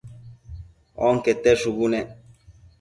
onquete shubu nec